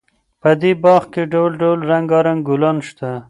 په دې باغ کې ډول ډول رنګارنګ ګلان شته.